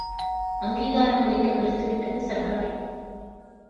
அங்கீகாரமளிக்க மறுத்துவிட்டது சர்க்கார்.